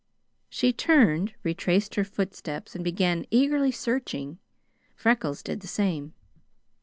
She turned, retraced her footsteps, and began eagerly searching. Freckles did the same.